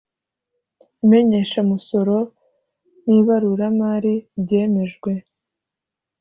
imenyeshamusoro n ibaruramari byemejwe